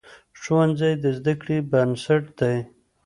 ښوونځی د زده کړې بنسټ دی.